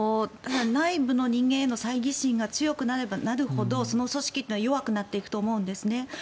内部の人間へのさいぎ心が強くなればなるほどその組織は弱くなっていくと思うんですね。